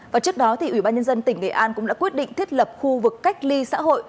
và trước đó thì ubnd tỉnh nghệ an cũng đã quyết định thiết lập khu vực cách ly xã hội